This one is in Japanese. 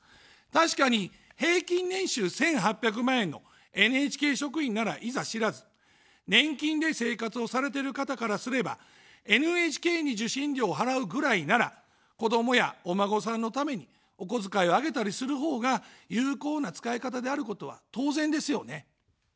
確かに平均年収１８００万円のＮＨＫ職員ならいざしらず、年金で生活をされてる方からすれば、ＮＨＫに受信料を払うぐらいなら、子どもやお孫さんのためにお小遣いをあげたりするほうが有効な使い方であることは当然ですよね。